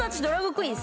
クイーン